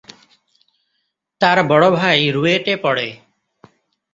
তার বড় ভাই রুয়েটে পড়ে।